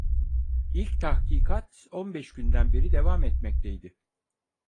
İlk tahkikat on beş günden beri devam etmekteydi.